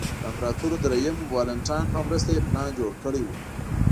د امپراتور درېیم والنټیناین په مرسته یې پلان جوړ کړی و